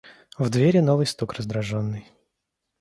В двери новый стук раздраженный.